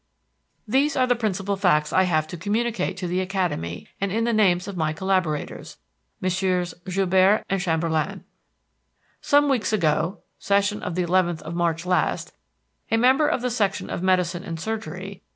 These are the principal facts I have to communicate to the Academy in my name and in the names of my collaborators, Messrs. Joubert and Chamberland. Some weeks ago (Session of the 11th of March last) a member of the Section of Medicine and Surgery, M.